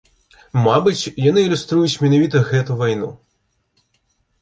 Мабыць, яны ілюструюць менавіта гэту вайну.